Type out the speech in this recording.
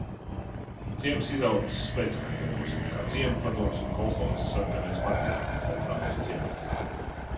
"Ciems izaudzis pēckara gados kā ciema padomes un kolhoza "Sarkanais partizāns" centrālais ciemats."